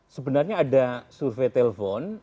sebenarnya ada survei telepon